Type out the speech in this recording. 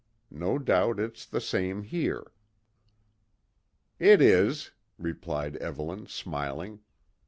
No doubt it's the same here." "It is," replied Evelyn smiling.